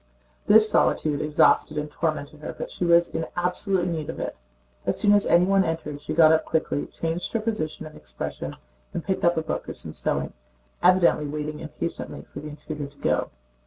This solitude exhausted and tormented her but she was in absolute need of it. As soon as anyone entered she got up quickly, changed her position and expression, and picked up a book or some sewing, evidently waiting impatiently for the intruder to go.